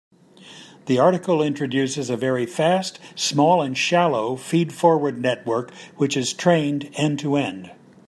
The article introduces a very fast, small, and shallow feed-forward network which is trained end-to-end.